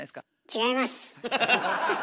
違います！